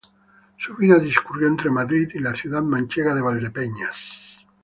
Su vida discurrió entre Madrid y la ciudad manchega de Valdepeñas.